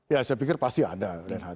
ya saya pikir pasti ada